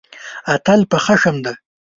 اتل په خښم دی.